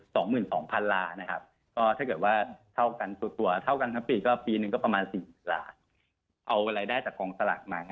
สึ่งปีประมาณ๖๐๐๐๐๐ที่ผ่านมา